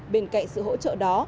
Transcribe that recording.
bên cạnh sự hỗ trợ đó